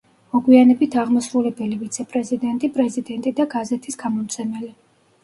მოგვიანებით აღმასრულებელი ვიცე-პრეზიდენტი, პრეზიდენტი და გაზეთის გამომცემელი.